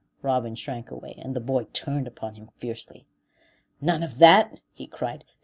Robin shrank away, and the boy turned upon him fiercely. "None of that," he cried.